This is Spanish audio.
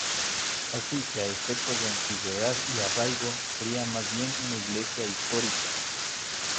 Así que a efectos de antigüedad y arraigo sería más bien una iglesia histórica.